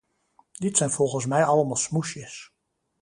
Dit zijn volgens mij allemaal smoesjes.